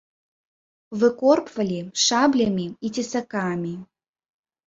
Выкорпвалі шаблямі і цесакамі.